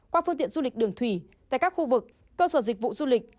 qua phương tiện du lịch đường thủy tại các khu vực cơ sở dịch vụ du lịch